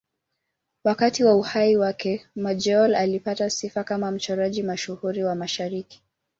Wakati wa uhai wake, Majolle alipata sifa kama mchoraji mashuhuri wa Mashariki.